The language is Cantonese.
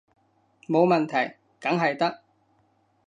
冇問題，梗係得